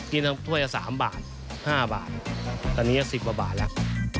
กินทั้งถ้วย๓บาท๕บาทตอนนี้๑๐บาทแล้ว